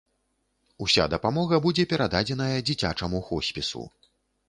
Уся дапамога будзе перададзеная дзіцячаму хоспісу.